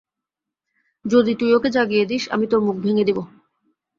যদি তুই ওকে জাগিয়ে দিস, আমি তোর মুখ ভেঙ্গে দেব।